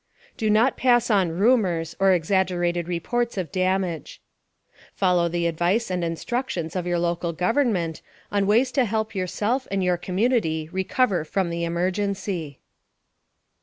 Do not pass on rumors or exaggerated reports of damage. Follow the advice and instructions of your local government on ways to help yourself and your community recover from the emergency.